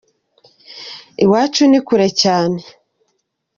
iwacu ni kure cyane.